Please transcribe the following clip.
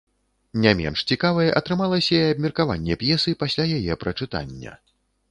Не менш цікавай атрымалася і абмеркаванне п'есы пасля яе прачытання.